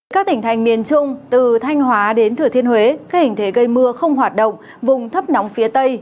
các tỉnh thành miền trung từ thanh hóa đến thừa thiên huế các hình thế gây mưa không hoạt động vùng thấp nóng phía tây